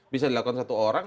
bisa dilakukan satu orang